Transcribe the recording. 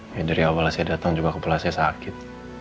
ya dari awal saya datang juga kepulangannya sakit